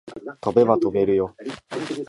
飛べば飛べるよ